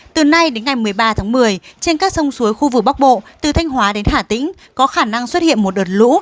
từ nay đến ngày một mươi ba tháng một mươi trên các sông suối khu vực bắc bộ từ thanh hóa đến hà tĩnh có khả năng xuất hiện một đợt lũ